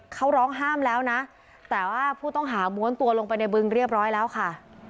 เขาร้องห้ามแล้วนะแต่ว่าผู้ต้องหาม้วนตัวลงไปในบึงเรียบร้อยแล้วค่ะ